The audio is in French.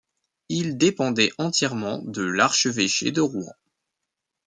Il dépendait entièrement de l'archevêché de Rouen.